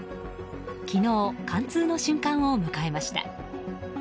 昨日、貫通の瞬間を迎えました。